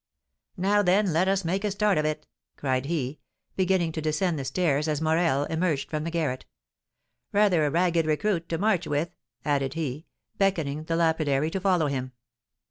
"Now, then, let us make a start of it!" cried he, beginning to descend the stairs as Morel emerged from the garret. "Rather a ragged recruit to march with," added he, beckoning to the lapidary to follow him.